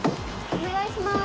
お願いします！